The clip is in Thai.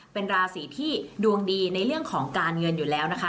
เป็นราศีที่ดวงดีในเรื่องของการเงินอยู่แล้วนะคะ